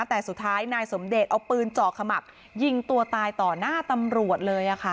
แต่สุดท้ายนายสมเดชเอาปืนเจาะขมับยิงตัวตายต่อหน้าตำรวจเลย